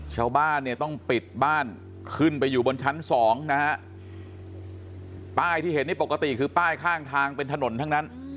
ชาวบ้านเนี่ยต้องปิดบ้านขึ้นไปอยู่บนชั้นสองนะฮะป้ายที่เห็นนี่ปกติคือป้ายข้างทางเป็นถนนทั้งนั้น